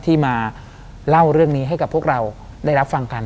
ที่มาเล่าเรื่องนี้ให้กับพวกเราได้รับฟังกัน